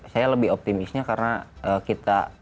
saya lebih optimisnya karena kita